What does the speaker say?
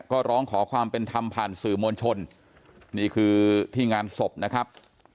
ก็ร้องขอความเป็นธรรมผ่านสื่อมวลชนนี่คือที่งานศพนะครับ